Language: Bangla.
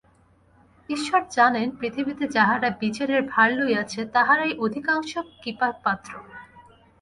ঈশ্বর জানেন, পৃথিবীতে যাহারা বিচারের ভার লইয়াছে তাহারাই অধিকাংশ কৃপাপাত্র।